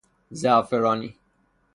زعفرانی